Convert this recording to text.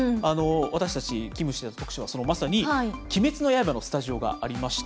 私たち、勤務してた徳島、そのまさに、鬼滅の刃のスタジオがありました。